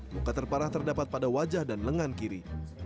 luka terparah terdapat pada wajah dan lengan kiri